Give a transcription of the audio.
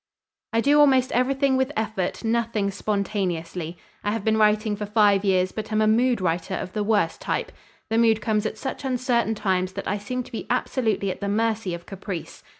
"I do almost everything with effort, nothing spontaneously. I have been writing for five years but am a mood writer of the worst type. The mood comes at such uncertain times that I seem to be absolutely at the mercy of caprice.